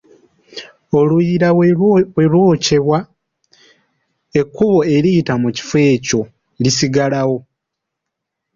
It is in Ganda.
Oluyiira bwe lwokyebwa ekkubo eriyita mu kifo ekyo lisigalawo.